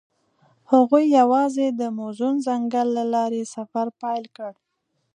هغوی یوځای د موزون ځنګل له لارې سفر پیل کړ.